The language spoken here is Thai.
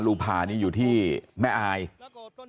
ชาวบ้านในพื้นที่บอกว่าปกติผู้ตายเขาก็อยู่กับสามีแล้วก็ลูกสองคนนะฮะ